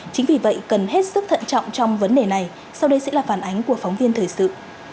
chính vì vậy cần hết sức thận trọng trong vấn đề này sau đây sẽ là phản ánh của phóng viên thời sự